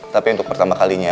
tapi untuk pertama kalinya